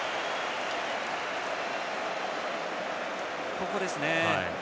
ここですね。